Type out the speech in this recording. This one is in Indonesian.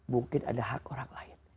mungkin ada hak orang lain